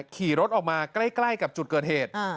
ขี่รถออกมาใกล้กับจุดเกิดเหตุ